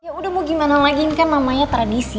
ya udah mau gimana lagi ini kan namanya tradisi